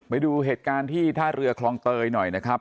ไปดูเหตุการณ์ที่ท่าเรือคลองเตยหน่อยนะครับ